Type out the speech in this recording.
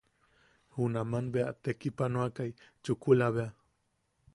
Ta junaman bea tekipanoakai chukula bea.